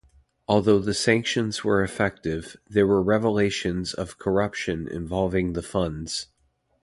Although the sanctions were effective, there were revelations of corruption involving the funds.